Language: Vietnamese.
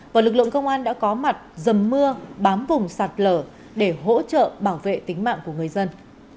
và lực lượng công an đã có mặt dầm mưa bám vùng sạt lở để hỗ trợ bảo vệ tính mạng của người dân